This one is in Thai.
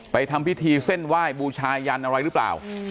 ทำพิธีเส้นไหว้บูชายันอะไรหรือเปล่า